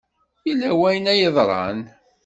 Yella wayen ay yeḍran.